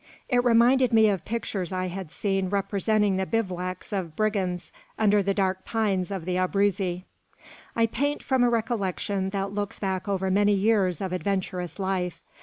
It reminded me of pictures I had seen representing the bivouacs of brigands under the dark pines of the Abruzzi. I paint from a recollection that looks back over many years of adventurous life.